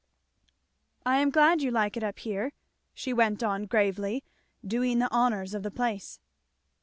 "I am glad you like it up here," she went on, gravely doing the honours of the place.